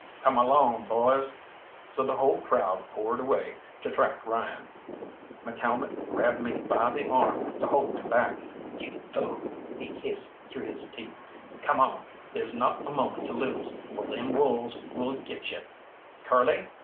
Come along, boys!" So the whole crowd poured away to track Ryan. McCalmont grabbed me by the arm to hold me back. "You fool," he hissed through his teeth, "come on there's not a moment to lose or them wolves will get you! Curly!